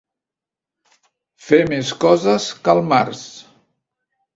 Fer més coses que el març.